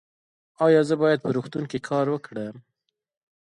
ایا زه باید په روغتون کې کار وکړم؟